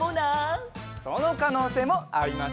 そのかのうせいもありますね。